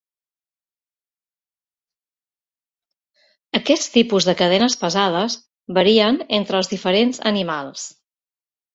Aquests tipus de cadenes pesades varien entre els diferents animals.